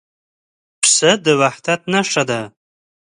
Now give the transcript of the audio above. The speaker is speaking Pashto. پسه د وحدت نښه ده.